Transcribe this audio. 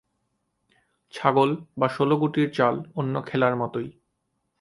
ছাগল বা ষোল গুটির চাল অন্য খেলার মতই।